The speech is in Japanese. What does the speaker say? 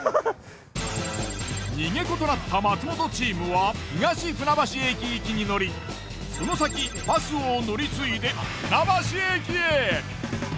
逃げ子となった松本チームは東船橋駅行きに乗りその先バスを乗り継いで船橋駅へ。